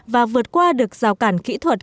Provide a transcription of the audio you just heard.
và vượt qua được rào cản kỹ thuật